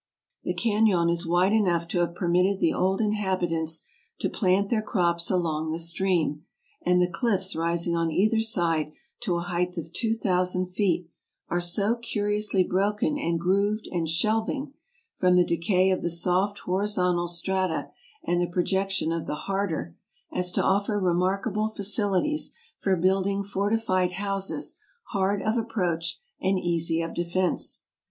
The canon is wide enough to have permitted the old inhabitants to plant their crops along the stream, and the cliffs rising on either side to a height of 2000 feet are so curiously broken and grooved and shelving, from the decay of the soft horizontal strata and the projection of the harder, as to offer remarkable facili ties for building fortified houses hard of approach and easy of defense.